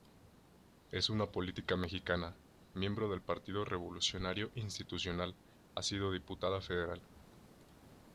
Es una política mexicana, miembro del Partido Revolucionario Institucional, ha sido Diputada Federal.